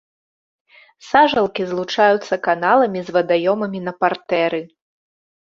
Сажалкі злучаюцца каналамі з вадаёмамі на партэры.